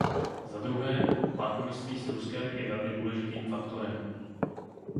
Za druhé, partnerství s Ruskem je velmi důležitým faktorem.